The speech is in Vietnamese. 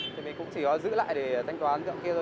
thì mình cũng chỉ có giữ lại để thanh toán giọng kia thôi